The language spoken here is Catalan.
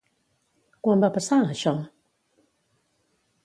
Quan va passar, això?